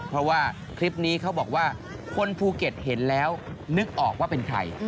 เพราะว่าคลิปนี้เขาบอกว่าคนภูเก็ตเห็นแล้วนึกออกว่าเป็นใคร